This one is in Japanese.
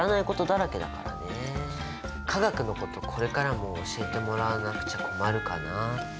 化学のことこれからも教えてもらわなくちゃ困るかなって。